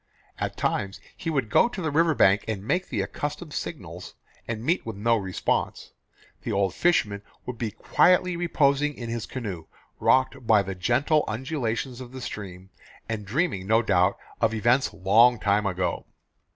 At times he would go to the river bank and make the accustomed signals, and meet with no response. The old fisherman would be quietly reposing in his canoe, rocked by the gentle undulations of the stream, and dreaming, no doubt, of events "long time ago."